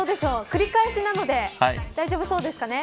繰り返しなので大丈夫そうですかね。